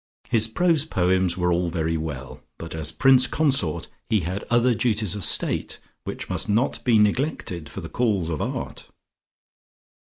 His prose poems were all very well, but as prince consort he had other duties of state which must not be neglected for the calls of Art.